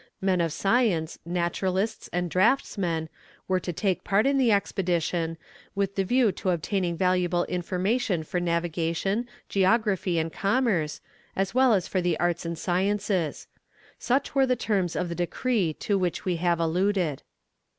Men of science, naturalists, and draughtsmen, were to take part in the expedition, with the view to obtaining valuable information for navigation, geography, and commerce, as well as for the arts and sciences. Such were the terms of the decree to which we have alluded.